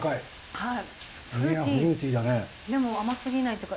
はい。